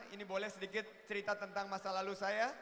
ini boleh sedikit cerita tentang masa lalu saya